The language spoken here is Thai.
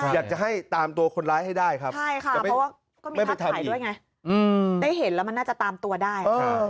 อยากจะให้ตามตัวคนร้ายให้ได้ครับใช่ค่ะเพราะว่าไม่ได้ไปถ่ายด้วยไงได้เห็นแล้วมันน่าจะตามตัวได้